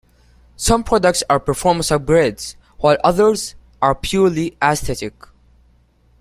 Some products are performance upgrades, while others are purely aesthetic.